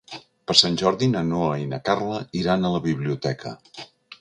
Per Sant Jordi na Noa i na Carla iran a la biblioteca.